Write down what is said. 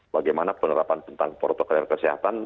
bagaimana penerapan tentang protokol kesehatan